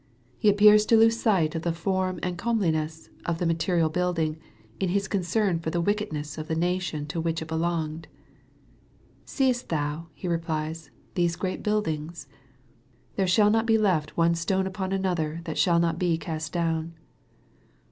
He appears to lose sight of the form and comeliness of the material building, in His concern for the wickedness of the nation to which it belonged. " Seest thou," He replies, " these great buildings ? There shall not be left one stone upon another, that shall not be cast down."